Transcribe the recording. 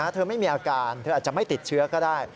เธอไม่มีอาการเธออาจจะไม่ติดเชื้อก็ได้